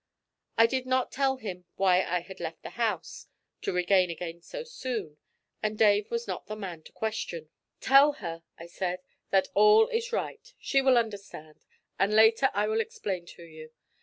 I did not tell him why I had left the house, to return again so soon, and Dave was not the man to question. 'Tell her,' I said, 'that all is right. She will understand; and later I will explain to you.